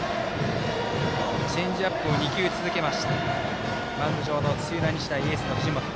チェンジアップを２球続けましたマウンド上のエースの藤本。